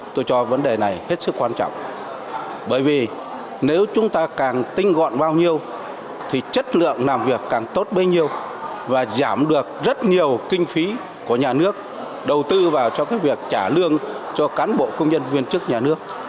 tôi cho vấn đề này hết sức quan trọng bởi vì nếu chúng ta càng tinh gọn bao nhiêu thì chất lượng làm việc càng tốt bao nhiêu và giảm được rất nhiều kinh phí của nhà nước đầu tư vào cho cái việc trả lương cho cán bộ công nhân viên chức nhà nước